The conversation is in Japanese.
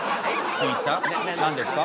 しんいちさん何ですか？